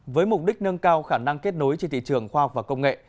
với mục đích nâng cao khả năng kết nối trên thị trường khoa học và công nghệ